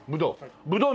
ぶどう。